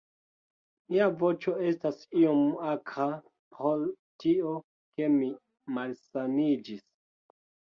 Mia voĉo estas iom akra pro tio, ke mi malsaniĝis